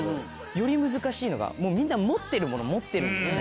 より難しいのがもうみんな持ってるもの持ってるんですよね。